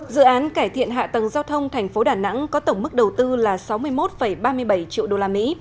dự án cải thiện hạ tầng giao thông thành phố đà nẵng có tổng mức đầu tư là sáu mươi một ba mươi bảy triệu đô la mỹ